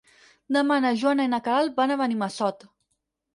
Demà na Joana i na Queralt van a Benimassot.